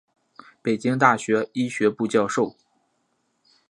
北京大学医学部教授。